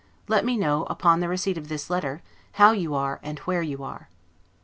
Let me know, upon the receipt of this letter, how you are, and where you are.